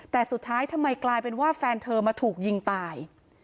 แต่สุดท้ายทำไมกลายเป็นว่าแฟนเธอมาถูกยิงตาย